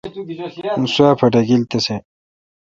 اوں سوا پاٹکیل تسی۔